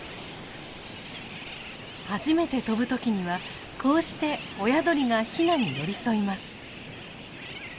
初めて飛ぶ時にはこうして親鳥がヒナに寄り添います。